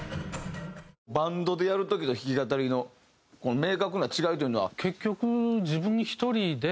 バンドでやる時と弾き語りの明確な違いというのは。